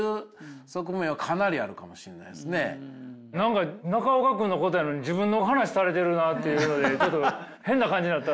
何か中岡君のことやのに自分の話されてるなあっていうのでちょっと変な感じになった。